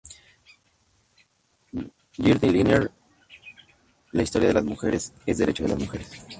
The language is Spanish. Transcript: Gerda Lerner, "La historia de las mujeres es derecho de las mujeres".